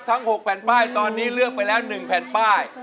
ทั้ง๖แผ่นป้ายตอนนี้เลือกไปแล้ว๑แผ่นป้าย